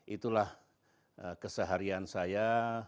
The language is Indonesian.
itulah keseharian saya